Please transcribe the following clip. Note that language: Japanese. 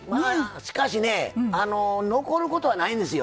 しかしね、残ることはないですよ。